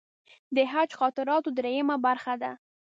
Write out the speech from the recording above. د حج خاطراتو درېیمه برخه ده.